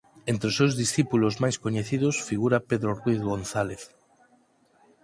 Entre os seus discípulos máis coñecidos figura Pedro Ruíz González.